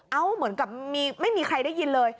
เหมือนกับไม่มีใครได้ยินเลย